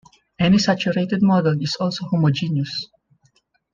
Any saturated model is also homogeneous.